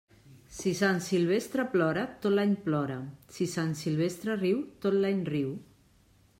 Si Sant Silvestre plora, tot l'any plora; si Sant Silvestre riu, tot l'any riu.